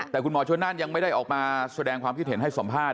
แต่คุณหมอชนนั่นยังไม่ได้ออกมาแสดงความคิดเห็นให้สัมภาษณ